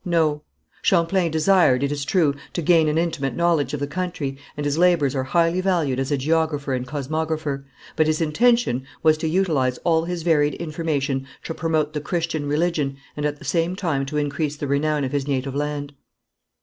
No. Champlain desired, it is true, to gain an intimate knowledge of the country, and his labours are highly valued as a geographer and cosmographer, but his intention was to utilize all his varied information to promote the Christian religion and at the same time to increase the renown of his native land.